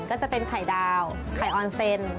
ก็จะเป็นไข่ดาวไข่ออนเซน